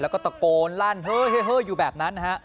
แล้วก็ตะโกนลั่นเฮ้อยู่แบบนั้นนะฮะ